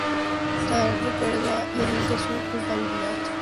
Teal'c recuerda y admite su culpabilidad.